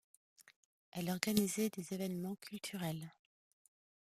Elle organisait des événements culturels.